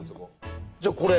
じゃあこれ。